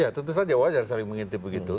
ya tentu saja wajar saling mengintip begitu